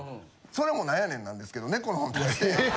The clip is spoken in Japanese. それも何やねんなんですけど猫の本出して。